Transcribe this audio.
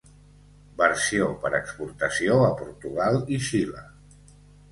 Versió per exportació a Portugal i Xile.